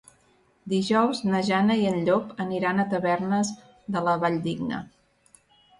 Dijous na Jana i en Llop aniran a Tavernes de la Valldigna.